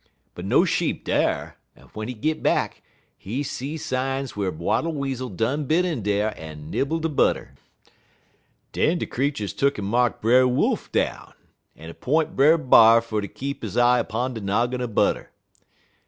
But no sheep dar, en w'en he git back, he see signs whar Wattle Weasel done bin in dar en nibble de butter. "Den de creeturs tuck'n mark Brer Wolf down, en 'p'int Brer B'ar fer ter keep he eye 'pun de noggin er butter.